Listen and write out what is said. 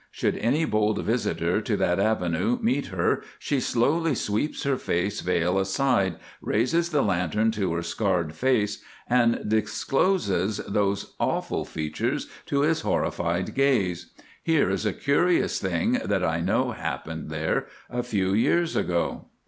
Should any bold visitor to that avenue meet her, she slowly sweeps her face veil aside, raises the lantern to her scarred face, and discloses those awful features to his horrified gaze. Here is a curious thing that I know happened there a few years ago.